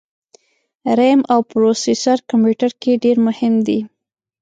رېم او پروسیسر کمپیوټر کي ډېر مهم دي